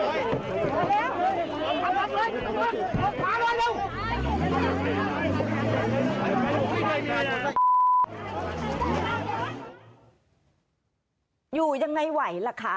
เราพิชาไปแบบนี้